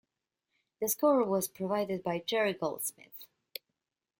The score was provided by Jerry Goldsmith.